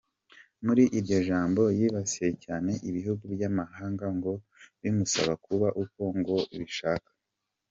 Muri iryo jambo yibasiye cyane ibihugu by’amahanga ngo bimusaba kuba uko ngo bishaka.